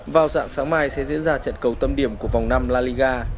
vào dạng sáng mai sẽ diễn ra trận cầu tâm điểm của vòng năm la liga